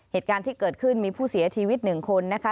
เหตุการณ์ที่เกิดขึ้นมีผู้เสียชีวิตหนึ่งคนนะคะ